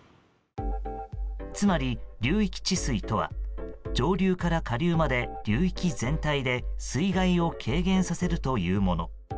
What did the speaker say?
つまり、流域治水とは上流から下流まで流域全体で水害を軽減させるというもの。